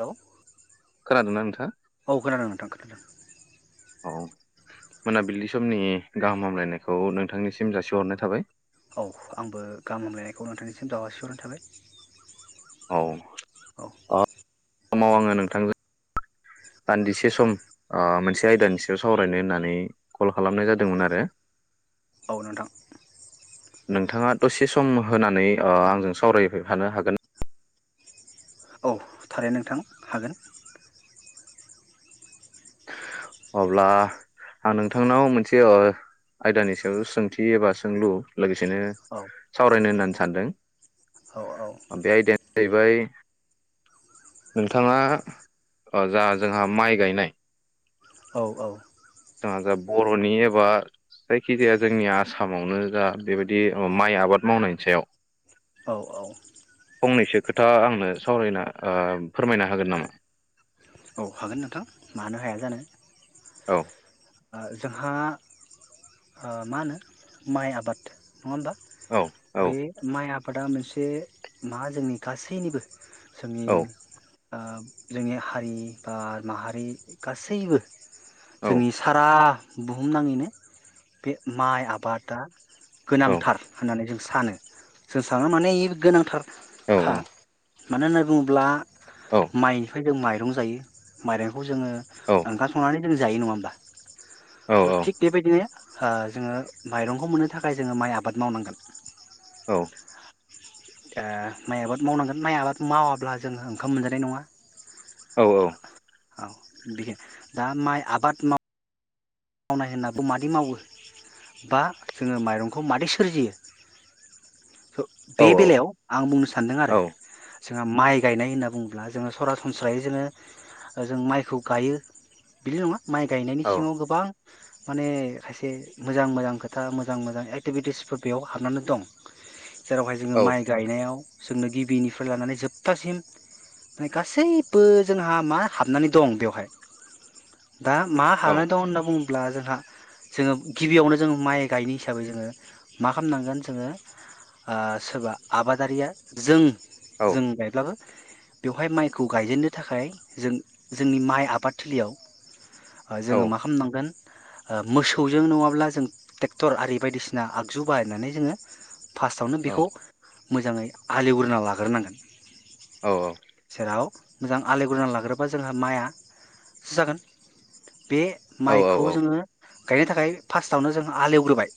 Hello. खोनादोंना नोंथाङा? औ खोनादों, नोंथां खोनादों। औ मोनाबिलि समनि गाहाम हामलायनायखौ नोंथांनिसिम जासिहरनाय थाबाय। औ आंबो गाम हामलायनायखौ नोंथांनिसिम जासिहरनाय थाबाय। औ। औ अ समाव आङो नोंथांजों दान्दिसे सम ओ मोनसे आयदानि सायाव सावरायनो होननानै कल खालामनाय जादोंमोन आरो। औ नोंथां। नोंथाङा दसे सम होनानै ओ आंजों सावरायफानो हागोन? औ थारै नोंथां हागोन। अब्ला आं नोंथांनाव मोनसे ओ आयदानि सायाव सोंथि एबा सोंलु लोगो सेनो औ सावरायनो होननानै सानदों औ औ बे आयदायानो जाहैबाय नोंथाङा जा जोंहा माइ गायनाय औ औ। जोंहा जा बर'नि एबा जायखिजाया जोंनि आसामावनो जा बेबायदि माइ आबाद मावनायनि सायाव औ औ फंनैसो खोथा आंनो सावरायना ओ फोरमायनो हागोन नामा? हाखागोन नोंथां, मानो हाया जानो। औ। ओ जोंहा ओ मा होनो माइ आबाद, नङा होमबा? औ औ बे माइ आबा दा मोनसे मा जोंनि गासैनिबो जोंनि औ जोंनि हारि बा माहारि गासैबो औ जोंनि जा बुहुमनाङैनो बे माइ आबादा औ गोनांथार होननानै जों सानो जों साना माने गोनांथार औ खा मानो होननानै बुङोब्ला औ माइनिफ्राय जों माइ रं जायो माइरं खौ जोङो ओंखार संनानै जों जायो नङा होनबा औ स थि देबायदिनो ओ जोङो माइरंखौ मोननो थाखाय जोङो माइ आबाद मावनांगोन औ दा माइ आबाद मावनांगोन माइ आबाद मावाब्ला जों ओंखाम मोनजानाय नङा औ औ औ बिखो दा माइ आबाद माव मावनाय होनाबो मादि मावो बा जोङो माइरंखौ मादि सोरजियो बे बेलायाव आं बुंनो सानदों आरो जोंहा माइ गायनाय होनना बुङोब्ला जोङो सरासनस्रायै जोङो जों माइखौ गायो बिदि नङा माइ गायनायनि सिङाव गोबां माने खायसे मोजां मोजां खोथा मोजां मोजां एक्टिभिटिसफोर बेयाव हाबनानै दं जेरावहाय जोङो माइ गायनायाव जोंनो गिबिनिफ्राय लानानै जोबथासिम गासैबो जोंहा मा हाबनानै दं बेवहाय दा मा हानाय दं होनना बुं- अब्ला जोंहा जोङो गिबियावनो जोङो माइ गायनाय हिसाबै जोङो मा खालामनांगोन जोङो सोरबा आबादारिया जों जों गायब्लाबो बेवहाय माइखौ गायजेननो थाखाय जों जोंनि माइ आबाद थिलियाव औ जोङो मा खामनांगोन मोसौजों नङाब्ला जों ट्रेक्टर आरि बायदिसिना आगजु बायनानै जोङो फार्सवावनो बेखौ मोजाङै हालएवग्रोना लाग्रोनांगोन जेराव मोजां आलि गुरनानै लाग्रोबा जोंहा माइआसो जागोन बेे माइ खौ जोङो गायनो थाखाय फार्स्टआवनो जों हाल एवग्रोबाय।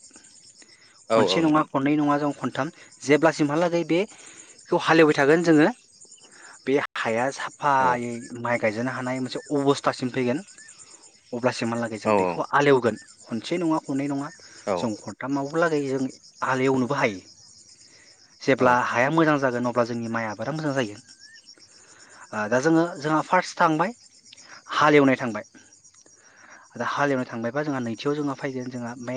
औ खनसे नङा नोंथां खनै नङा जों खन थाम जेब्ला सिमहालागै बेखौ हालएवबाय थागोन जोङो बे हाया सा औ फायै औ माइ गायजानो हानाय मोनसे अबस्थासिम फैगोन। अब्लासिम जों औ बेखौ आलेवगोन। खनसे नङा खनै नङा जों खन्थामाव लागायैजों हालिएवनोबो हायो। जेब्ला हाया मोजां जागोन अ ब्ला जोंनि माइ आबादा मोजां जायो। दा जोङो जोंहा फार्स्ट थांबाय हालेवनाय थांबाय। दा हालेवनो थांबायबा जोंहा नैथियाव जोंहा फैगोन जोंहा बे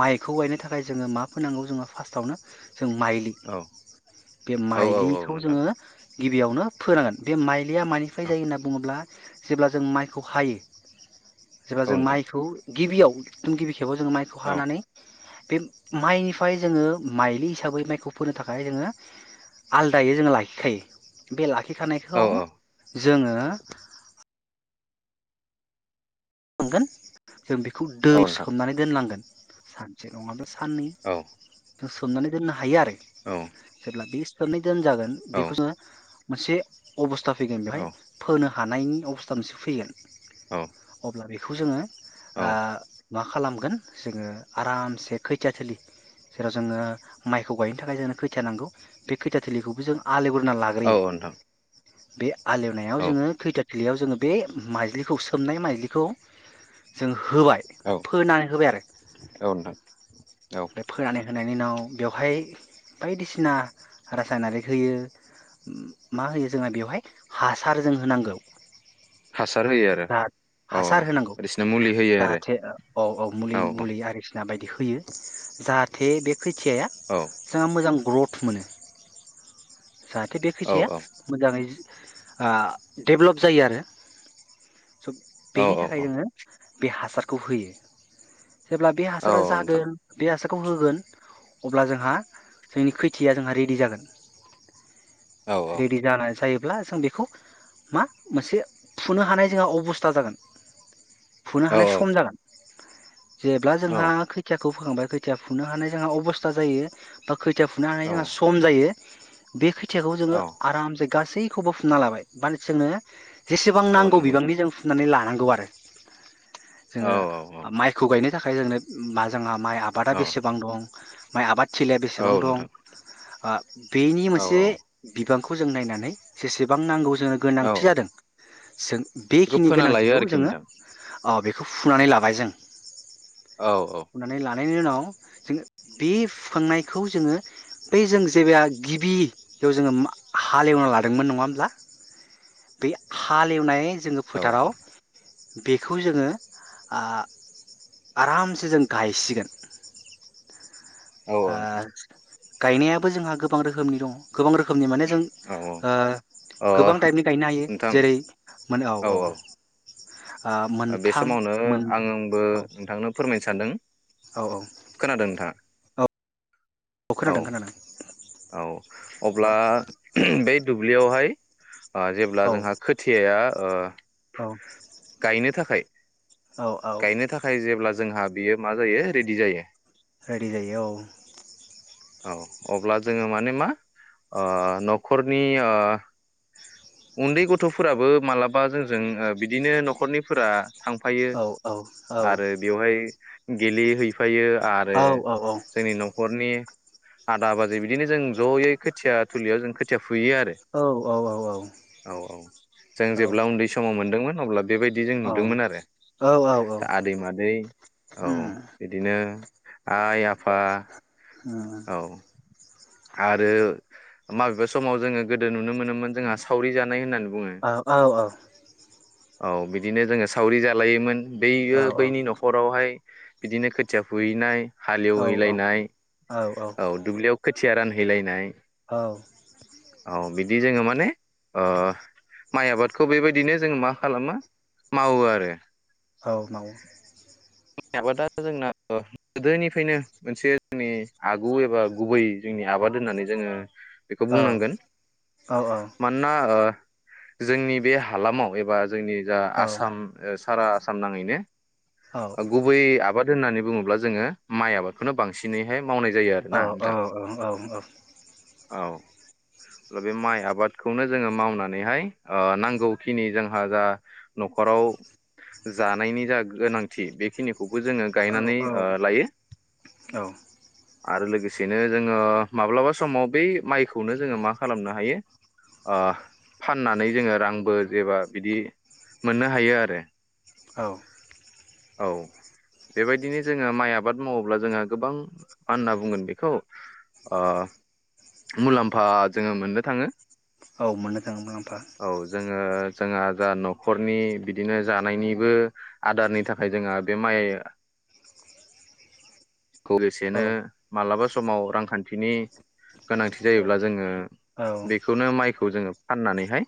माइखौ गायनो थाखाय जोङो मा फोनांगौ जोंहा फार्स्टआवनो जों माइलि बे औ औ औ औ माइलिखौ नोंथां जोङो गिबियावनो फोनांगोन बे माइलिया मानिफ्राय औ जायो होनना बुङोब्ला जेब्ला जों माइखौ हायो। जेब्ला जों नोंथां माइखौ गिबियाव गिबि थेवबो जोङो माइखौ औ हानानै बे माइनिफ्राय जोङो माइलि हिसाबै माइखौ फोनो थाखाय जोङो आलादायै जोङो लाखिखायो। बे ला नोंथां औ खिखानायखौ जोङो [unintelligible] जों बेखौ दै औ नोंथां सोमनानै दोननांगोन। सानसे नङाबा सान्नै औ जों सोमनानै दोननो हायो आरो। औ जेब्ला बि [unintelligible] दोनजागोन औ बेखौ जों मोनसे अबस था फैगोन औ बेहाय फोनो हानायनि अबस्था मोनसे फैगोन। औ अब्ला बेखौ जोङो औ ओ मा खालामगोन जोङो आरामसे खोथिया थिलि जेराव जोङो माइखौ गायनो थाखाय जोंनो खोथिया नांगौ बे खोथिया थिलिखौबो जों आलेव ना लाग्रोयो। औ नोंथां बे आलेवनायाव औ जोङो खोथिया थिलियाव जोङो बे माइज्लिखौ सोमनाय माइज्लि खौ जों होबाय औ फोनानै होबाय आरो औ नोंथां औ फाय फोनानै होनायनि उनाव बेवहाय बायदिसिना रासायनारिक होयो मा होयो जोंहा बेवहाय हासार जों होनांगौ। हासार होयो आरो दा औ हासार औ होनांगौ बायदिसिना मुलि होयो आरो जाहाथे औ औ मुलि मुलि आरि बायदि होयो जाहाथे बे खैथियाया औ जोंहा मोजां ग्रथ मोनो। जाहाथे बे औ खोथियाया औ मोजाङै ओ डेभेलप जायो आरो स' बेनि औ औ थाखाय जोङो बे हासार खौ होयो। जेब्ला बे औ हासारा नोंथां जागोन बे हासार खौ होगोन अब्ला जोंहा जोंनि खोथियाया जोंहा रेडि जागोन। औ औ रेडि जाना जायोब जों बेखौ मा मोनसे फुनो हानाय जोंहा अब'स्था जागोन। फुनो औ हानाय सम जागोन। जेब्ला जोंहा खैथिया खौ फोखांबाय खोथिया फुनो हानाय जोंहा अबस्था जायो बा खैथा फुनो हानाय औ जोंहा सम जायो। बे खै थियाखौ जोङो औ आरामसे गासैखौबो फुना लाबाय बाल जोङो जेसेबां औ नांगौ नंगौ नोंथां बिबांनि जों फुनानै लानां गौ आरो। औ जोङो औ औ माइखौ गायनो नि थाखाय जोंनो मा जोंहा माइ आबादा औ बेसेबां दं माइ आबाद खिलाया बेसेबां औ दं नोंथां ओ बेनि औ से बिबांखौ जों नायनानै जेसेबां नांगौ जोंनो औ गोनांथि जादों जों बेखौ बेखिनि फोना लायो गोनांथिखौ आरोखि जोङो नोंथां औ बेखौ फुनानै लाबाय जों औ औ नायनि उनाव जोंङो बे फुखांनायखौ जोङो बै जोङो जेबिया गिबि बेयाव जोङो हालेवना लादोंमोन नङा होमब्ला बे हालेवनाय जोङो औ फोथाराव बेखौ जोङो आ आरामसे जों गायसिगोन औ औ आह नोंथां गायनायाबो जोंहा गोबां रोखोमनि दङ गोबां रोखोमनि माने जों औ औ ओह अ गोबां टाइपनि गायनो हायो नोंथां जेरै मोनो औ औ आ ओ बे मोनथाम समावनो मोनब्रै आं आंबो औ नोंथांनो फोरमाय सानदों खोनादों नोंथाङा? अ औ खोनादों खोनादों। औ औ अब्ला बे दुब्लियावहाय जेब्ला औ जोंहा खोथियाया ओ औ गायनो थाखाय औ औ गायनो थाखाय जेब्ला जोंहा बेयो मा जायो रेडि जायो रेडि जायो औ। औ अब्ला जोङो माने मा ओ न'खरनि ओ उन्दै गथ'फोराबो मालाबा जोंजों बिदिनो न'खरनिफोरा थांफायो। औ औ औ गेले हैैफायो आं आरो जोंनि न'खरनि आदा बाजै बिदिनो जों ज'यै खोथिया थुलियाव जों खोथिया फुयो आरो औ मोन अब्ला बेबायदि जों नुदोंमोन आरो औ औ आदै-मादै औ उम बिदिनो आइ आफा उम औ। आरो माबेबा समाव जोङो गोदो नुनो मोनोमोन जोंहा सावरि जानाय होननानै बुङो औ औ औ औ बिदिनो जोङो सावरि जालायोमोन। औ बेयो बैनि न'खरावहाय बिदिनो खोथिया फुहैनाय हालेवहैलायनाय औ दुब्लियाव खोथि थिया रानहैलायनाय औ औ बिदि जोङो माने ओ माइ आबादखौ बेबायदिनो जोङो मा खालामो मावो आरो। औ मावो। जोंनि आबादा जोंना गोदोनिफ्रायनो मोनसे जोंनि आगु एबा गुबै जोंनि आबाद होननानै जोङो बेखौ औ बुंनांगोन औ मानोना ओ जोंनि बे हालामाव एबा जोंनि जा आसाम ओ सारा आसाम नाङैनो गुबुयै आबाद होननानै बुङोब्ला जोङो माइ आबादखौनो बांसिनै औ औ औ औ औ औ बे माइ आबादखौनो जोङो मावनानैहाय ओ नांगौखिनि जोंहा जा न'खराव जानायनि जा गोनांथि बेखिनिखौ खौबो जोङो औ गायनानै लायो। आरो लोगोसेनो जोङो माब्लाबा समाव बै माइखौनो जोङो मा खालामनो हायो ओ फाननानै जोङो रांबो जेबा बिदि मोननो हायो आरो औ औ बेबायदिनो जोङो माइ आबाद मावोब्ला जोङो गोबां मा होनना बुंगोन बेखौ ओ मुलाम्फा जोङो मोननो थाङो औ मोननो थाङो मुलाम्फा ओ जोंहा जा नखरनि बिदिनो जा नायनिबो आदारनि थाखाय जोंहा बे माइ खौ औ एसेनो मालाबा स समाव रांखान्थिनि गोनांथि औ जायोब्ला जोङो औ बेखौनो माइखौ जोङो फाननानैहाय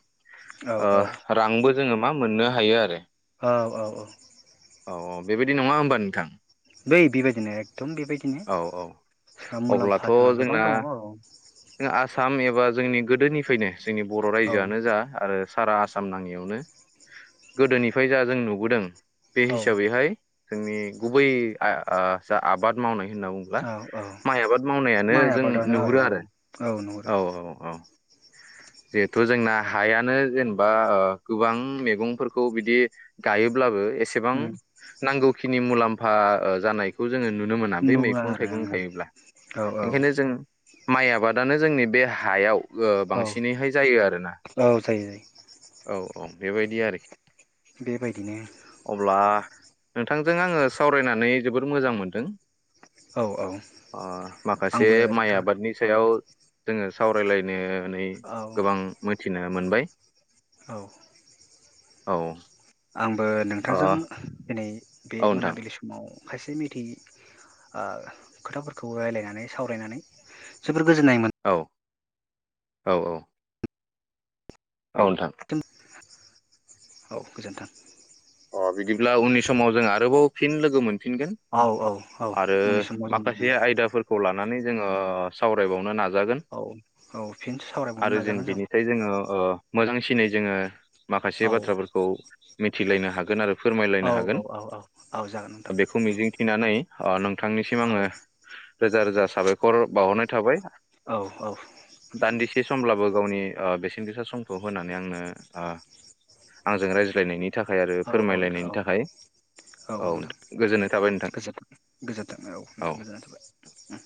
ओ औ रांबो जोङो मा मोननो हायो आरो औ औ औ औ - औ बेबायदि नङा होनबा नोंथां नै बेबायदिनो एकदम बेबायदि औ औ जोंहा अब्लाथ' मुलाम्फा जोंहा गोबां दङ औ जोंहा जोंनि गोदोनिफ्रायनो जोंनि बर औ रायजोआनो जा आरो साराआसाम नाङियावनो गोदोनि फ्रायनो जा जों नुबोदों बे औ हिसाबैहाय जोंनि गुबै आ - आ जा आबाद मावनाय होनना बुङोब्ला औ औ माइ आबाद मावनायानो माइ जों आबादानो नुहुरो आरो औ नंगौ औ - औ - औ जिहेथु जोंना हायानो जेनेबा ओ गोबां मेगंफोरखौ बिदि गायोब्लाबो एसेबां उम नांगौखिनि नि मुलाम्फा ओ जानायखौ जोङो नुनो मोना बे नुवा मेगं आरो थाइगं उम गायोब्ला औ ओंखायनो औ जों माइ आबादानो जोंनि बे हायाव ओ औ बांसि जायो आरोना औ जायो जायो औ अ बेबायदि आरोखि बेबायदिनो अब्ला नोंथांजों आङो सावरायनानै जोबोर मोजां मोनदों औ औ ओ माखासे आंबो माइ नोंथां आबादनि औ सायाव जोङो सावरायलायनो नै औ गोबां मोथिनो मोनबाय औ औ आंबो नोंथांजों दिनै बे औ नोंथां मोनाबिलि समाव खायसे मिथियै ओ खोथाफोरखौ रायलायनानै सावरायनानै जो बोर गोजोननाय मो औ औ औ औ नोंथां मोनदों औ गोजोन्थों अ बिदिब्ला उननि समाव जों आरोबाव फिन लोगो मोन फिनगोन औ औ औ आरो उननि समाव जों माखासे आयदाफोरखौ ला नानै जोङो सावरायबावनो ना औ औ फिन सावरायबावनो जेन नाजागोन जों बेनिफ्राय जोङो ओ मोजांसिनै जोङो माखासे औ बाथ्राफोरखौ मि थिलायना हागोन आरो औ फोरमायलायनो हागोन औ औ औ औ जागोन नोंथां बेखौ मिजिंथिनानै अ नों थांनिसिम औ आङो रोजा रोजा साबायखर बावहरनाय थाबाय औ औ नोंथां दान्दिसे समब्लाबो गावनि ओ बेसेन गोसा समखौ होनानै आंनो ओ आंजों रायज्लायनायनि थाखाय आरो औ औ नोंथां फोरमायलायनायनि थाखाय औ औ नोंथां गोजोननाय थाबाय नोंथां गोजोनथों गोजोन्थों औ नोंथां गोजोननाय थाबाय